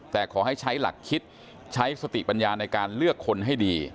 แต่ขอให้ใช้หลักคิดใช้สติปัญญาในการเลือกคนให้ดี